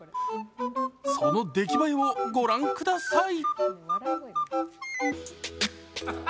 その出来栄えをご覧ください。